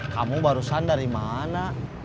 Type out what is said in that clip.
kamu barusan dari mana